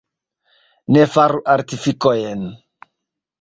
Ne faru artifikojn.